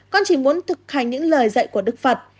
con chỉ muốn thực hành những lời dạy của đức phật